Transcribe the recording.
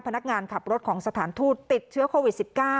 พนักงานขับรถของสถานทูตติดเชื้อโควิด๑๙